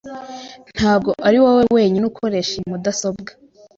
Ntabwo ari wowe wenyine ukoresha iyi mudasobwa.